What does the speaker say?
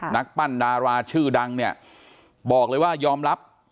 นักปั้นดาราชื่อดังเนี่ยบอกเลยว่ายอมรับ